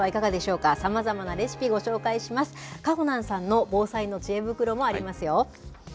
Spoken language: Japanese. かほなんさんの防災の知恵袋もありますよ。